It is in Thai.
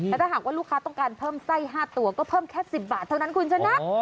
แต่ถ้าหากว่าลูกค้าต้องการเพิ่มไส้๕ตัวก็เพิ่มแค่๑๐บาทเท่านั้นคุณชนะ